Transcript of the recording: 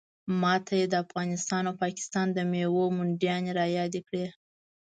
ماته یې د افغانستان او پاکستان د میوو منډیانې رایادې کړې.